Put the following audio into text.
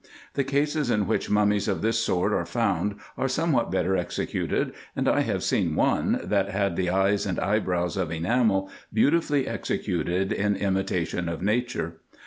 The cases in which mummies of this sort are found are somewhat better executed, and I have seen one, that had the eyes and eyebrows of enamel, beautifully executed in imitation of nature.